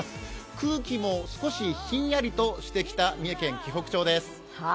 空気も少しひんやりとしてきた三重県紀北町です。